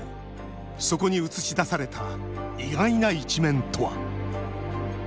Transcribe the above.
そこに映し出された意外な一面とは？